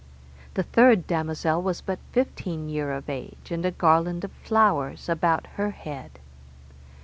The third damosel was but fifteen year of age, and a garland of flowers about her head.